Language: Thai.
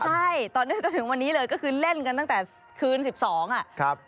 ใช่ต่อเนื่องจนถึงวันนี้เลยก็คือเล่นกันตั้งแต่คืน๑๒อ่ะครับ